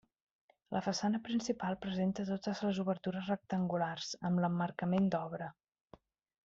La façana principal presenta totes les obertures rectangulars, amb l'emmarcament d'obra.